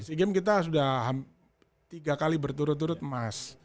sea games kita sudah tiga kali berturut turut emas